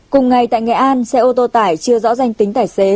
cùng ngày tại nghệ an xe ô tô tải chưa rõ danh tính tài xế